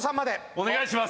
お願いします。